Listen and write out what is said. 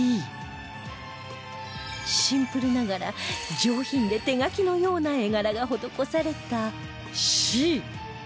シンプルながら上品で手描きのような絵柄が施された Ｃ